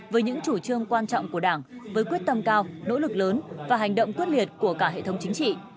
với những chủ trương quan trọng của đảng với quyết tâm cao nỗ lực lớn và hành động quyết liệt của cả hệ thống chính trị